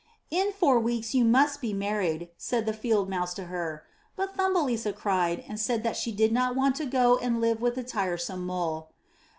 "In four weeks you must be married,'' said the Field Mouse to her. But Thumbelisa cried and said that she did not want to go and live with the tiresome Mole.